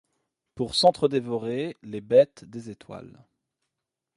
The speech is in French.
Pour s’entre-dévorer, les bêtes des étoiles ;